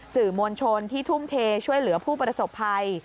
สื่อมวลชนที่ทุ่มเทช่วยเหลือผู้ประสบภัย